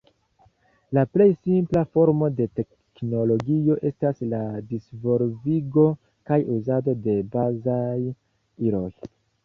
La plej simpla formo de teknologio estas la disvolvigo kaj uzado de bazaj iloj.